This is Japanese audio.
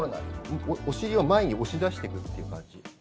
お尻を前に押し出していくっていう感じ。